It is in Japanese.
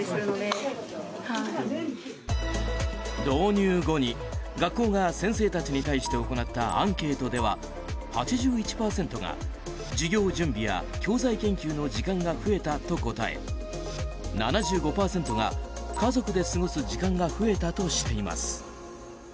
導入後に学校が先生たちに対して行ったアンケートでは８１％が、授業準備や教材研究の時間が増えたと答え７５％が家族で過ごす時間が増えたとしています。